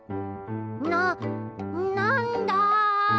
ななんだ！？